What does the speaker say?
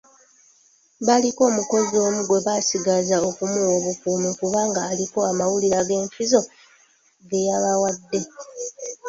Baliko omukozi omu gwe basigazza okumuwa obukuumi kuba aliko amawulire ag'enkizo ge yabawadde.